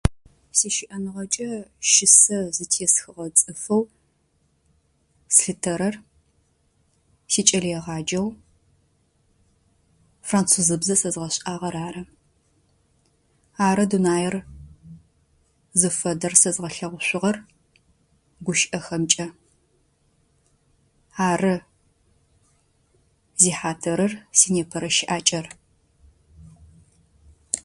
Си щыӏэныгъэкӏэ щысэ зытесхыгъэ цӏыфоу слъытэрэр сикӏэлэегъаджэу французэбзэ сэгъэшӏагъэр ары. Ары дунаер зыфэдэр сэзгъэлъэгъушъугъэр гущыӏэхэмкӏэ. Ары зихьатырыр си непэрэ щыӏакӏэр.